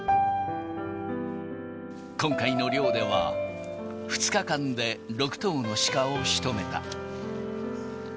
今回の猟では、２日間で６頭の鹿をしとめた。